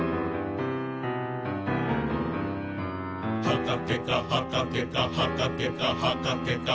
「はかけかはかけかはかけかはかけか」